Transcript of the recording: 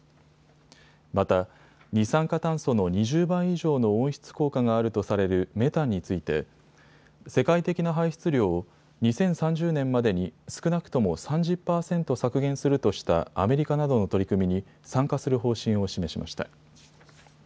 また、二酸化炭素の２０倍以上の温室効果があるとされるメタンについて、世界的な排出量を２０３０年までに少なくとも３０％削減するとしたアメリカなどの取り組みに参加する方針を示しました。